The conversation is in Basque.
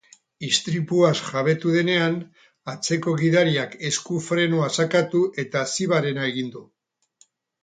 Istripuaz jabetu denean, atzeko gidariak esku-frenoa sakatu eta zibarena egin du.